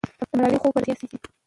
د ملالۍ خوب به رښتیا سي.